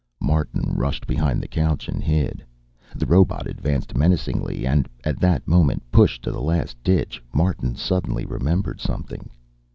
Martin rushed behind the couch and hid. The robot advanced menacingly. And at that moment, pushed to the last ditch, Martin suddenly remembered something.